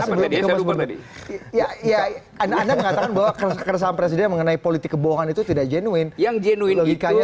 mengatakan bahwa keresahan presiden mengenai politik kebohongan itu tidak jenuin yang jenuin itu